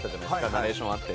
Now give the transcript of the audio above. ナレーションあって。